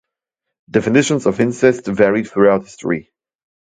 Definitions of incest varied throughout history.